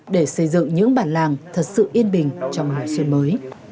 để xây dựng những bản làng thật sự yên bình trong mùa xuân mới